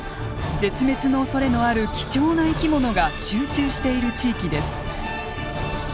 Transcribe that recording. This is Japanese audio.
絶滅のおそれのある貴重な生き物が集中している地域です。